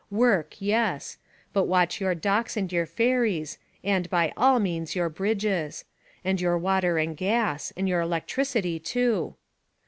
Work, yes — but watch your docks and your ferries and, by all means — your bridges ; and your water and gas ; and your electricity, too.